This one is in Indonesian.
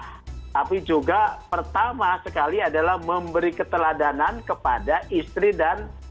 tapi juga pertama sekali adalah memberi keteladanan kepada istri dan